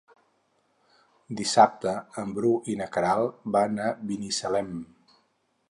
Dissabte en Bru i na Queralt van a Binissalem.